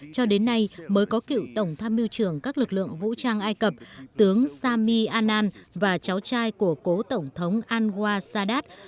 cho đến nay mới có cựu tổng tham mưu trưởng các lực lượng vũ trang ai cập tướng sami anan và cháu trai của cố tổng thống angwa sadad